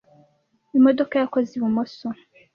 Imodoka yakoze ibumoso.